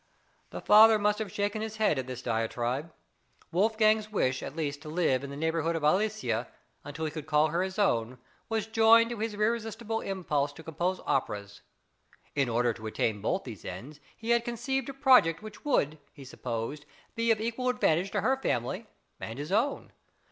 The father must have shaken his head at this diatribe. Wolfgang's wish at least to live in the neighbourhood of Aloysia, until he could call her his own, was joined to his irresistible impulse to compose operas. In order to attain both these ends he had conceived a project which would, he supposed, be of equal advantage to her family and his own.